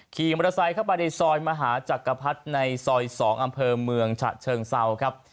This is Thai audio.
ขี่มอเตอร์ไซค์เข้าไปในซอยมหาจักรพรรดิในซอย๒อำเภอเมืองฉะเชิงเซาครับ